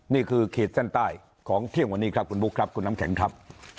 ขีดเส้นใต้ของเที่ยงวันนี้ครับคุณบุ๊คครับคุณน้ำแข็งครับ